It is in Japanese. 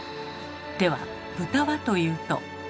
では豚はというと。